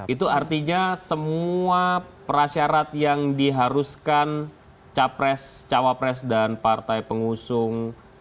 itu artinya semua prasyarat yang diharuskan capres cawapres dan partai pengusung